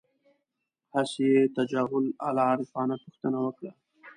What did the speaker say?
هسې یې تجاهل العارفانه پوښتنه وکړه.